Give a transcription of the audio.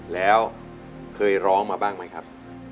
แล้วเคยร้องมาบ้างไหมครับ